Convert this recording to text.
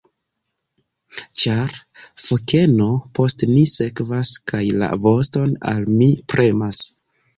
Ĉar fokeno post ni sekvas, kaj la voston al mi premas!